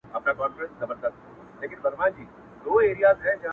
ککرۍ يې دي رېبلي دې بدرنگو ککریو ـ